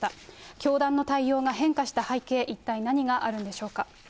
教団の対応が変化した背景、一体、何があるんでしょうか。